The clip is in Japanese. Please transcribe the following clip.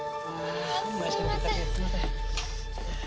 ああすいません。